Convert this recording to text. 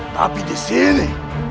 tapi di sini